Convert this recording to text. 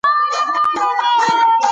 هر څه طبیعي وي، خوندي نه وي.